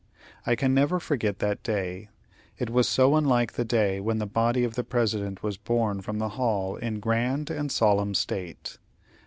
I can never forget that day; it was so unlike the day when the body of the President was borne from the hall in grand and solemn state.